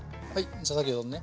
じゃあ先ほどのね。